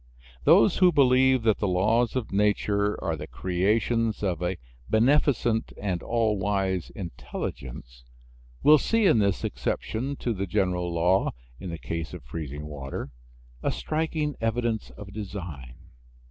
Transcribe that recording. Those who believe that the laws of nature are the creations of a beneficent and all wise Intelligence will see in this exception to the general law in the case of freezing water a striking evidence of design.